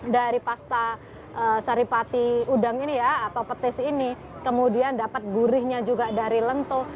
dari pasta saripati udang ini ya atau petis ini kemudian dapat gurihnya juga dari lento